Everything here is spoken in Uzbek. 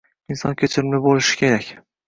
Inson kechirimli bo'lishi kerak